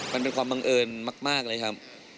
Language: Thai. มันเป็นความบังเอิญมากเลยครับ